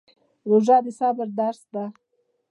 روژه د صبر درس دی